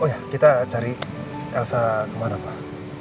oh ya kita cari elsa kemana pak